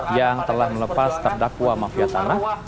yang telah melepas terdakwa mafia tanah